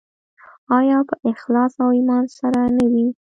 آیا په اخلاص او ایمان سره نه وي؟